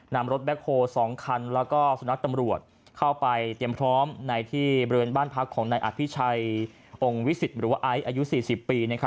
นำรถแบ็คโฮ๒คันแล้วก็สุนัขตำรวจเข้าไปเตรียมพร้อมในที่บริเวณบ้านพักของนายอภิชัยองค์วิสิตหรือว่าไอซ์อายุ๔๐ปี